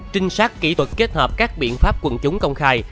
trinh sát kỹ thuật kết hợp các biện pháp quần chúng công khai